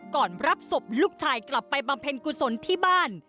รับศพลูกชายกลับไปบำเพ็ญกุศลที่บ้าน